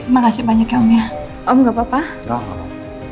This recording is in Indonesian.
makasih banyak ya om ya om nggak papa papa